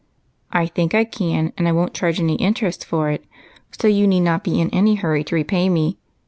"I think I could, and I won't charge any interest for it, so you need not be in any hurry to repay me.